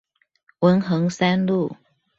文橫三路